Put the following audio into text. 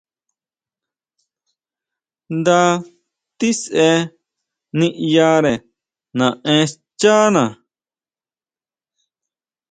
Nda tisʼe niʼyare naʼen xchana.